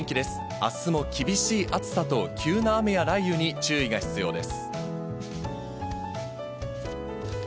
明日も厳しい暑さと急な雨や雷雨に注意が必要です。